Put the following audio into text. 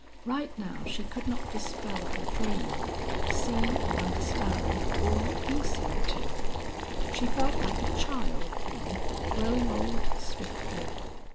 Right now she could not dispel her dream see and understand all that he seemed to. She felt like a child, then, growing old swiftly.